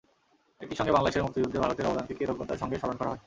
একই সঙ্গে বাংলাদেশের মুক্তিযুদ্ধে ভারতের আবদানকে কৃতজ্ঞতার সঙ্গে স্মরণ করা হয়।